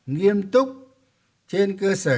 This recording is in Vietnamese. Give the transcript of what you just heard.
nghiêm túc trên cơ sở